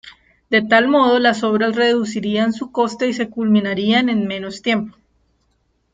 De tal modo las obras reducirían su coste y se culminarían en menos tiempo.